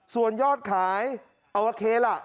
ส่วนยอดขายเอาโอเคล่ะ